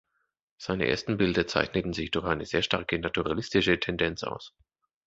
Seine ersten Bilder zeichneten sich durch eine sehr starke naturalistische Tendenz aus.